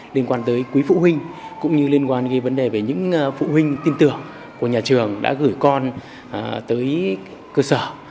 liên quan tới quý phụ huynh cũng như liên quan đến vấn đề về những phụ huynh tin tưởng của nhà trường đã gửi con tới cơ sở